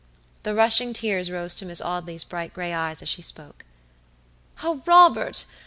The rushing tears rose to Miss Audley's bright gray eyes as she spoke. "Oh, Robert!